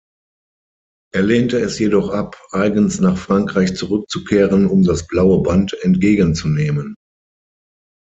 Er lehnte es jedoch ab, eigens nach Frankreich zurückzukehren, um das Blaue Band entgegenzunehmen.